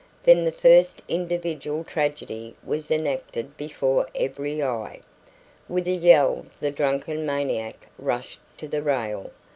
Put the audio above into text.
Then the first individual tragedy was enacted before every eye. With a yell the drunken maniac rushed to the rail.